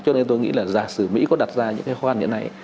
cho nên tôi nghĩ là giả sử mỹ có đặt ra những cái khó khăn như thế này